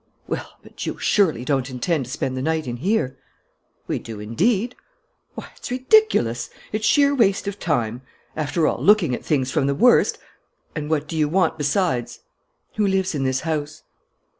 "Well, but you surely don't intend to spend the night in here?" "We do indeed." "Why, it's ridiculous! It's sheer waste of time! After all, looking at things from the worst And what do you want besides?" "Who lives in the house?"